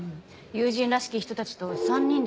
友人らしき人たちと３人で来てました。